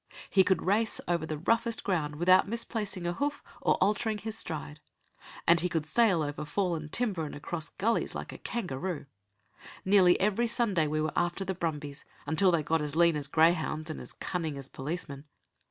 He could race over the roughest ground without misplacing a hoof or altering his stride, and he could sail over fallen timber and across gullies like a kangaroo. Nearly every Sunday we were after the brumbies, until they got as lean as greyhounds and as cunning as policemen.